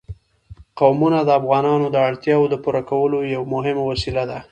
قومونه د افغانانو د اړتیاوو د پوره کولو یوه مهمه وسیله ده.